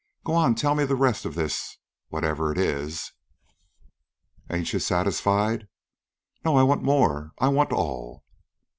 Go on, tell me the rest of this... whatever it is." "Ain't you satisfied?" "No. I want more. I want all."